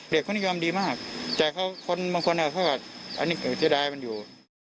เด็กคนนี้ยอมดีมากแต่เขาคนบางคนอ่ะเขากับอันนี้เจ้าใดมันอยู่